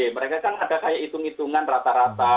mereka kan ada kayak hitung hitungan rata rata